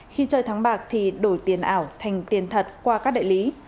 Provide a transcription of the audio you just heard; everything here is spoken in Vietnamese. khi chơi thắng bạc thì đổi tiền ảo thành tiền thật qua các đại lý